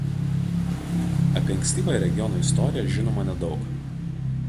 Apie ankstyvąją regiono istoriją žinoma nedaug.